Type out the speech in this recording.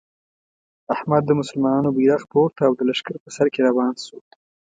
احمد د مسلمانانو بیرغ پورته او د لښکر په سر کې روان شو.